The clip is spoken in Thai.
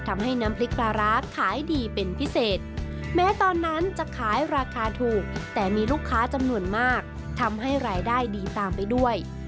แม้ตอนนั้นจะขายราคาถูกแต่มีลูกค้าจำนวนมากทำให้รายได้ดีตามไปด้วย